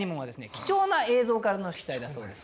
貴重な映像からの出題だそうです。